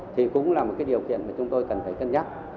thì cũng là một cái điều kiện mà chúng tôi cần phải cân nhắc